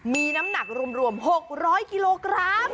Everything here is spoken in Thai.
มีน้ำหนักรวม๖๐๐กิโลกรัม